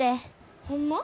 ホンマ？